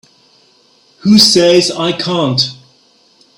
Who says I can't?